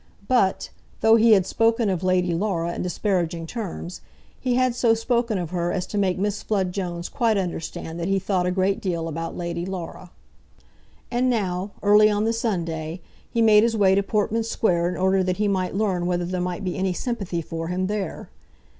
But, though he had spoken of Lady Laura in disparaging terms, he had so spoken of her as to make Miss Flood Jones quite understand that he thought a great deal about Lady Laura. And now, early on the Sunday, he made his way to Portman Square in order that he might learn whether there might be any sympathy for him there.